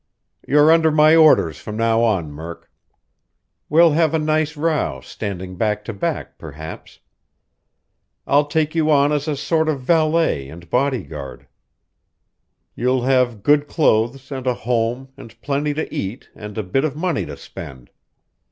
"You're under my orders from now on, Murk. We'll have a nice row, standing back to back perhaps. I'll take you on as a sort of valet and bodyguard. You'll have good clothes and a home and plenty to eat and a bit of money to spend.